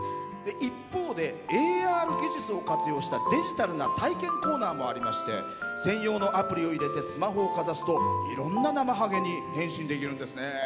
一方で、ＡＲ技術を活用したデジタルな体験コーナーもありまして専用のアプリを入れてスマホをかざすといろんなナマハゲに変身できるんですね。